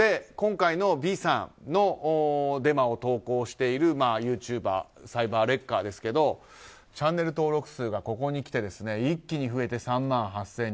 今回のＶさんのデマを投稿しているユーチューバーサイバーレッカーですがチャンネル登録数がここにきて一気に増えて３万８０００人。